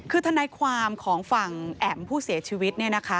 คือทนายความของฝั่งแอ๋มผู้เสียชีวิตเนี่ยนะคะ